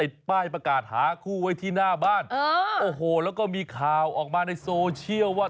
หาคู่ไว้ที่หน้าบ้านเออโอ้โหแล้วก็มีข่าวออกมาในโซเชียลว่า